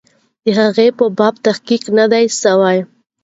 د هغې په باب تحقیق نه دی سوی.